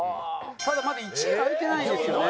ただまだ１位が開いてないんですよね。